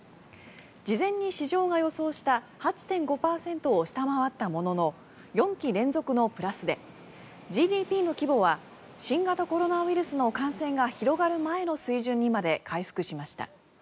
事前に市場が予想した８．５％を下回ったものの４期連続のプラスでＧＤＰの規模は新型コロナウイルスの感染が広がる前の水準にまで回復しました。